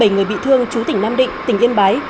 bảy người bị thương chú tỉnh nam định tỉnh yên bái